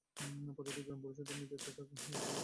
প্রতিটি গ্রাম পরিষদ নেতৃত্বে থাকে একজন রাষ্ট্রপতি।